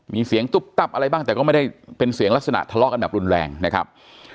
มีเสียงตุ๊บตับอะไรบ้างแต่ก็ไม่ได้เป็นเสียงลักษณะทะเลาะกันแบบรุนแรงนะครับ